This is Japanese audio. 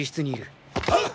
「はっ！」